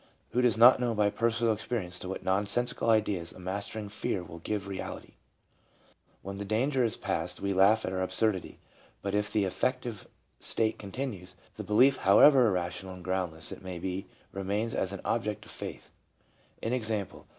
Who does not know by personal experience to what nonsensical ideas a mastering fear will give reality ! When the danger is past, we laugh at our ab surdity ; but if the affective state continues, the belief, how ever irrational and groundless it may be, remains as an object of faith, i. e.